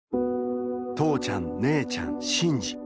父ちゃん、姉ちゃん、進次！